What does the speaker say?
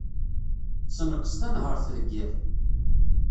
Senqes tanhart deg yiḍ.